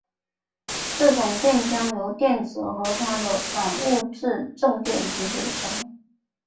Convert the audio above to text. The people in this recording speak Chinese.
这种电浆由电子和它的反物质正电子组成。